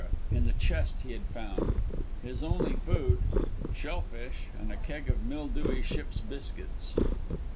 in the chest he had found his only food shell fish and a keg of mildewy ship's biscuits.